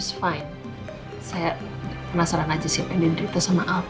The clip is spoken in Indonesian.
saya penasaran aja sih apa yang diderita sama al